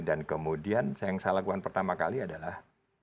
dan kemudian yang saya lakukan pertama kali adalah